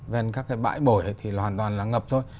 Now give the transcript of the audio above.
ven các cái bãi bồi thì hoàn toàn là ngập thôi